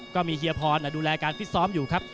เฮียพรดูแลการฟิตซ้อมอยู่ครับ